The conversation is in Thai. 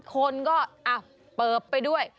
คนก็อ่ะเปลือบไปด้วย